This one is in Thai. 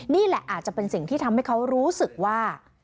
นี่แหละอาจจะเป็นสิ่งที่ทำให้เขารู้สึกว่า